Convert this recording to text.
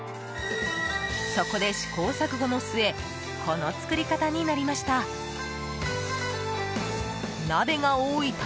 そこで試行錯誤の末この作り方になりました。